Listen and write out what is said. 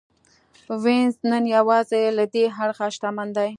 وینز نن یوازې له دې اړخه شتمن دی.